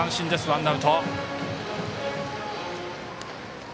ワンアウト。